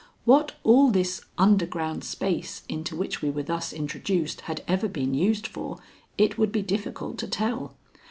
What all this underground space into which we were thus introduced had ever been used for, it would be difficult to tell.